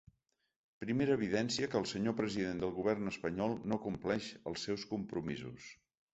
Primera evidència que el senyor president del govern espanyol no compleix els seus compromisos.